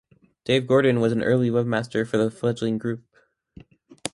Dave Gordon was an early webmaster for the fledgling group.